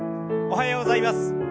おはようございます。